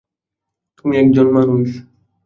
তুমি একজন মানুষ?